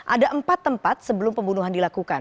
ada empat tempat sebelum pembunuhan dilakukan